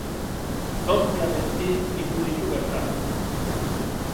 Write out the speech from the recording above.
Zortzi abesti bildu ditu bertan.